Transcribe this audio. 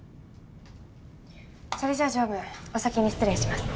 それじゃあ常務お先に失礼します。